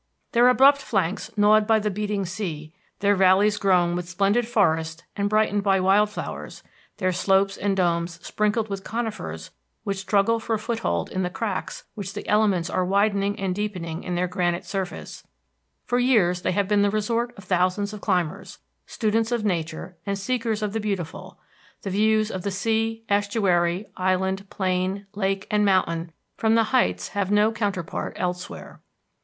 Their abrupt flanks gnawed by the beating sea, their valleys grown with splendid forests and brightened by wild flowers, their slopes and domes sprinkled with conifers which struggle for foothold in the cracks which the elements are widening and deepening in their granite surface, for years they have been the resort of thousands of climbers, students of nature and seekers of the beautiful; the views of sea, estuary, island, plain, lake, and mountain from the heights have no counterpart elsewhere.